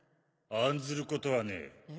案ずることはねえ。